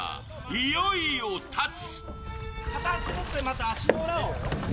いよいよ立つ。